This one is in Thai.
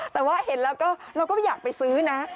แต่ว่าเห็นแล้วก็เราก็ไม่อยากไปซื้อนะ